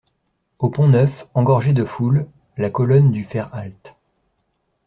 Au Pont-Neuf, engorgé de foule, la colonne dut faire halte.